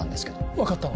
分かったの？